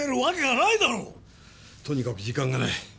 とにかく時間がない。